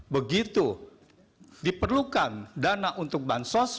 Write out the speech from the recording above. begitu diperlukan dana untuk bansos